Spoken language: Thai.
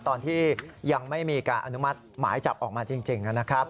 ตอนที่ยังไม่มีการอนุมัติหมายจับออกมาจริงนะครับ